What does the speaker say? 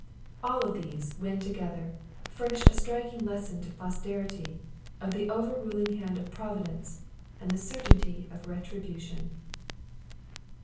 All these, when together, furnish a striking lesson to posterity, of the over ruling hand of Providence, and the certainty of RETRIBUTION.